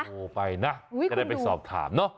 โอ้ไปนะก็ได้ไปสอบถามเนาะ